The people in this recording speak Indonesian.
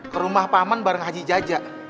ke rumah pak man bareng haji jajak